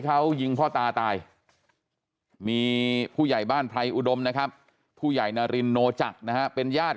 เขายิงพ่อตาตายมีผู้ใหญ่บ้านไพรอุดมนะครับผู้ใหญ่นารินโนจักรนะฮะเป็นญาติ